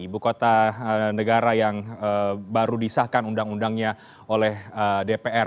ibu kota negara yang baru disahkan undang undangnya oleh dpr